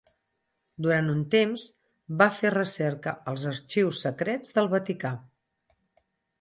Durant un temps va fer recerca als Arxius Secrets del Vaticà.